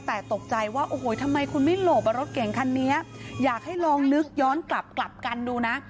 แต่ตกใจว่าโอ้โหทำไมคุณไม่หลบรถเก่งคันนี้อยากให้ลองนึกย้อนกลับกลับกันดูนะ